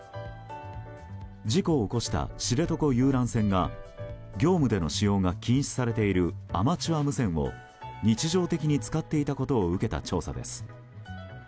事故を起こした知床遊覧船が業務での使用が禁止されているアマチュア無線を日常的に使っていたことを受けた調査です。